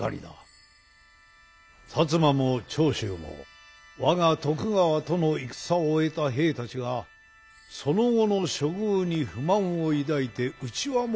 摩も長州も我が徳川との戦を終えた兵たちがその後の処遇に不満を抱いて内輪もめを起こしましてね。